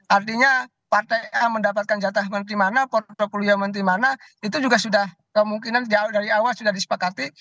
artinya partai a mendapatkan jatah menteri mana portfolio menteri mana itu juga sudah kemungkinan dari awal sudah disepakati